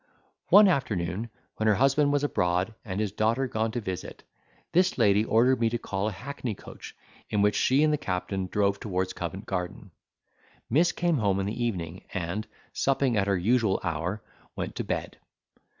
One afternoon, when her husband was abroad, and his daughter gone to visit, this lady ordered me to call a hackney coach, in which she and the captain drove towards Covent Garden. Miss came home in the evening, and, supping at her usual hour, went to bed.